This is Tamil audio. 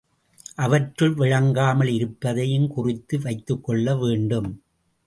அவற்றுள் விளங்காமல் இருப்பதையும் குறித்து வைத்துக்கொள்ள வேண்டும்.